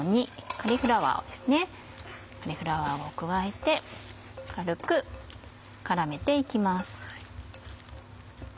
カリフラワーを加えて軽く絡めて行きます。